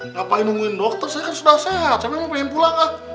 ngapain nungguin dokter saya kan sudah sehat saya memang pengen pulang